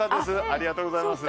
ありがとうございます！